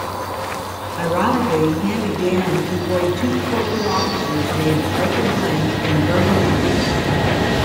Ironically, Handy Dan employed two corporate officers named Arthur Blank and Bernie Marcus.